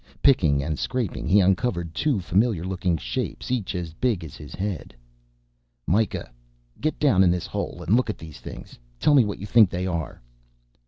Picking and scraping he uncovered two familiar looking shapes each as big as his head. "Mikah. Get down in this hole and look at these things. Tell me what you think they are."